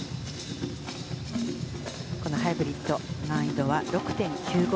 ハイブリッド難易度は６．９５。